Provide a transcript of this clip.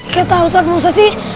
kayak tau pak musa sih